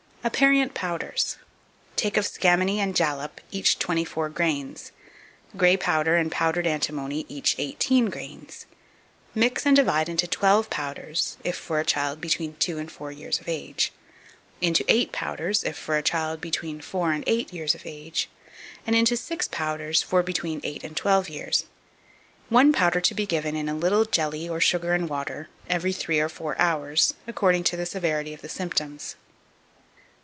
2553. Aperient Powders. Take of scammony and jalap, each 24 grains; grey powder and powdered antimony, each 18 grains. Mix and divide into 12 powders, if for a child between two and four years of age; into 8 powders, if for a child between four and eight years of ago; and into 6 powders for between eight and twelve years. One powder to be given, in a little jelly or sugar and water, every three or four hours, according to the severity of the symptoms.